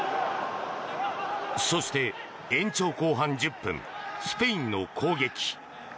そして、延長後半１０分スペインの攻撃。